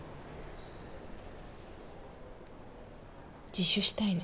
自首したいの。